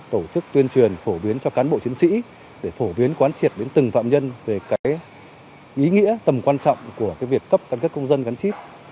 tổ chức tuyên truyền phổ biến cho cán bộ chiến sĩ để phổ biến quán triệt đến từng phạm nhân về ý nghĩa tầm quan trọng của việc cấp căn cước công dân gắn chip